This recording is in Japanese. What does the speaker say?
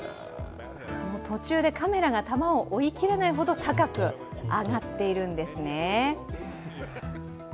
途中でカメラが球を追いきれないほど高く上がっているんですね。